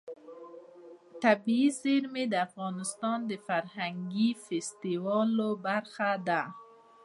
طبیعي زیرمې د افغانستان د فرهنګي فستیوالونو برخه ده.